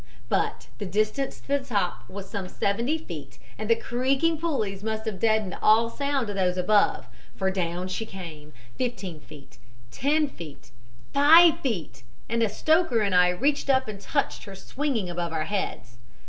But the distance to the top was some seventy feet and the creaking pulleys must have deadened all sound to those above, for down she came, fifteen feet, ten feet, five feet and a stoker and I reached up and touched her swinging above our heads.